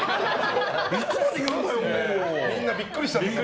いつまで言うのよ！